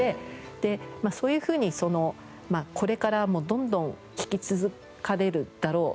でそういうふうにこれからもどんどん弾き続けられるだろう